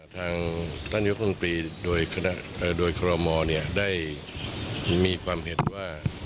ทางต้านยกษ์มนตรีโดยคณะโดยครมได้มีความเหตุว่า